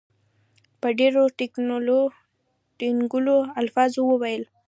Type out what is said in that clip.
په ډېرو ټینګو الفاظو وویل.